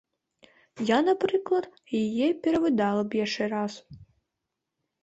Я, напрыклад, яе перавыдала б яшчэ раз.